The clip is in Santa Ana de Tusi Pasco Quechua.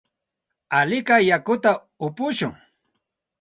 Alikay yakuta upushun.